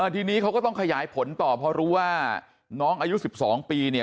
ทีนี้เขาก็ต้องขยายผลต่อเพราะรู้ว่าน้องอายุ๑๒ปีเนี่ย